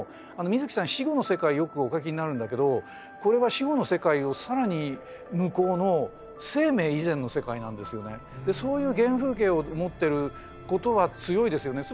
水木さん死後の世界よくお描きになるんだけどこれは死後の世界を更に向こうのでそういう原風景を持ってることは強いですよね。